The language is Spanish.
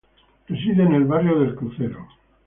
Reside en el barrio de El Crucero.